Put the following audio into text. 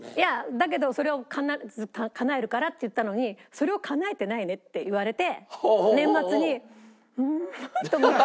だけど「それを必ずかなえるから」って言ったのに「それをかなえてないね」って言われて年末に「うん」と思って。